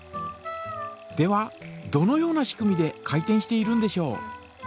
ではどのような仕組みで回転しているんでしょう。